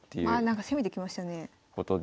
なんか攻めてきましたね。